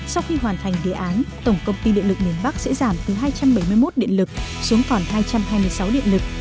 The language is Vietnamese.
sau khi hoàn thành đề án tổng công ty điện lực miền bắc sẽ giảm từ hai trăm bảy mươi một điện lực xuống còn hai trăm hai mươi sáu điện lực